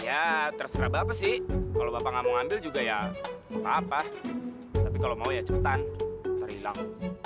ya terserah bapak sih kalau bapak gak mau ambil juga ya apa apa tapi kalau mau ya cepetan ntar hilang